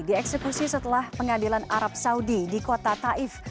dieksekusi setelah pengadilan arab saudi di kota taif